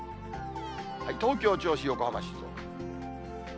東京、銚子、横浜、静岡。